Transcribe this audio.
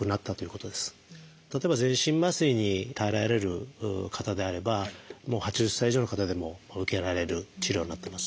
例えば全身麻酔に耐えられる方であれば８０歳以上の方でも受けられる治療になってます。